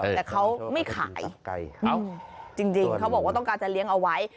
แต่เขาไม่ขายจริงเขาบอกว่าต้องการจะเลี้ยงเอาไว้